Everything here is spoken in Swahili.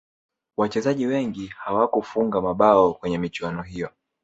wachezaji wengi hawakufunga mabao kwenye michuano hiyo